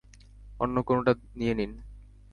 অন্য কোনোটা নিয়ে নিন।